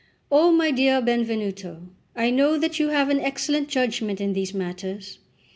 "O my dear Benvenuto, I know that you have an excellent judgment in these matters.